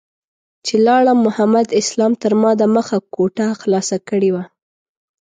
چې لاړم محمد اسلام تر ما دمخه کوټه خلاصه کړې وه.